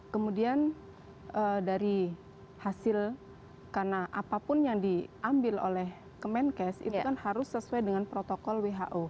kemudian dari hasil karena apapun yang diambil oleh kemenkes itu kan harus sesuai dengan protokol who